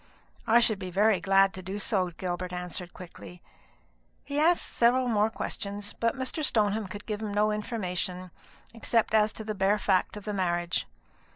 "I should be very glad to do so," Gilbert answered quickly. He asked several more questions; but Mr. Stoneham could give him no information, except as to the bare fact of the marriage.